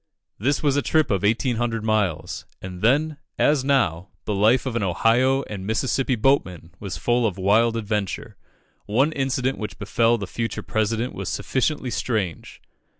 This was a trip of 1800 miles, and then, as now, the life of an Ohio and Mississippi boatman was full of wild adventure. One incident which befel the future President was sufficiently strange.